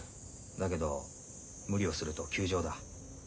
だけど無理をすると休場だ。